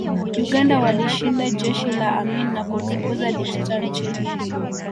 Uganda walishinda jeshi la Amin na kumfukuza dikteta nchini